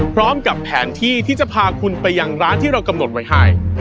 พร้อมกับแผนที่ที่จะพาคุณไปยังร้านที่เรากำหนดไว้ให้